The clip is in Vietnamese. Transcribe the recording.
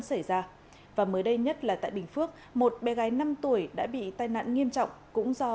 xảy ra và mới đây nhất là tại bình phước một bé gái năm tuổi đã bị tai nạn nghiêm trọng cũng do